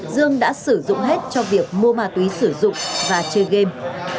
dương đã sử dụng hết cho việc mua ma túy sử dụng và chơi game